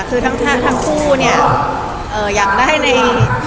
คือทั้งคู่เนี่ยอยากได้ใน